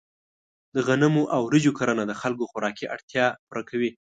د غنمو او وریجو کرنه د خلکو خوراکي اړتیا پوره کوي.